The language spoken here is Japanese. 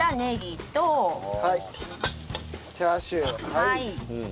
はい。